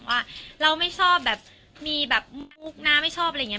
ว่าเราไม่ชอบแบบมีแบบมุกนะไม่ชอบอะไรอย่างนี้